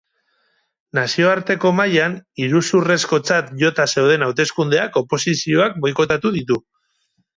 Nazioarteko mailan iruzurrezkotzat jota zeuden hauteskundeak oposizioak boikotatu ditu.